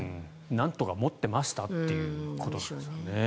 なんとか持ってましたということですね。